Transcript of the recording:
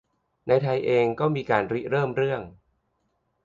ในไทยเองก็มีการริเริ่มเรื่อง